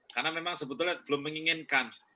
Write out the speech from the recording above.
karena memang sebetulnya belum menginginkan